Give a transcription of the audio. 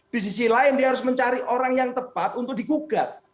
di sisi lain dia harus mencari orang yang tepat untuk digugat